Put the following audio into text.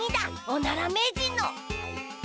おなら名人の。